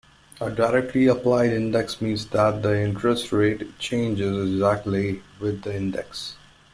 A directly applied index means that the interest rate changes exactly with the index.